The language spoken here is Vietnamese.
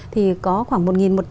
thì có khoảng một một trăm tám mươi hai